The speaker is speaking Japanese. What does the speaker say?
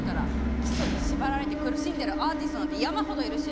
基礎に縛られて苦しんでるアーティストなんて山ほどいるし。